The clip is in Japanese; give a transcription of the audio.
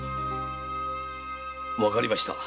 わかりました。